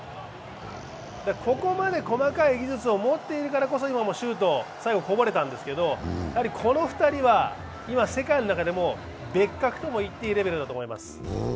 ここまで細かい技術を持っているからこそ最後こぼれたんですけど、この２人は今、世界の中でも別格と言っていいレベルだと思います。